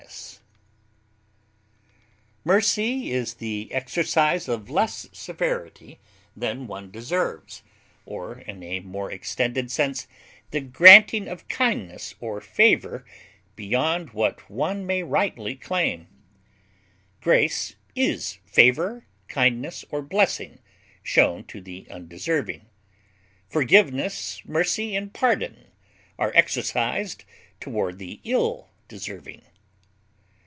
compassion, grace, Mercy is the exercise of less severity than one deserves, or in a more extended sense, the granting of kindness or favor beyond what one may rightly claim. Grace is favor, kindness, or blessing shown to the undeserving; forgiveness, mercy, and pardon are exercised toward the ill deserving.